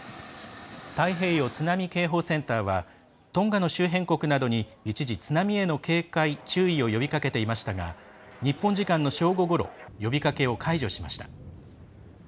太平洋津波警報センターはトンガの周辺国などに一時、津波への警戒、注意を呼びかけていましたが日本時間の正午ごろ呼びかけを解除しました。